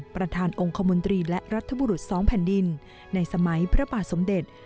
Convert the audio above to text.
ประธานองค์คมนตรีและรัฐบุรุษ๒แผ่นดินในสมัยพระบาทสมเด็จ